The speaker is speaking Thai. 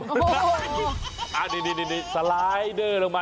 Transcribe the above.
โอ้โหอ่านี่สไลด์เดอร์ลงมา